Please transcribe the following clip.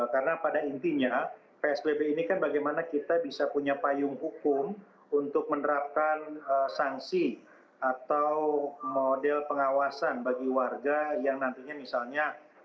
karena pada intinya psbb ini kan bagaimana kita bisa punya payung hukum untuk menerapkan sanksi atau model pengawasan bagi warga yang nantinya misalnya